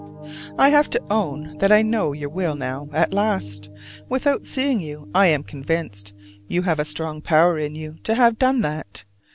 I have to own that I know your will now, at last. Without seeing you I am convinced: you have a strong power in you to have done that!